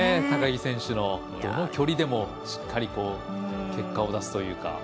高木選手の、どの距離でもしっかり結果を出すというか。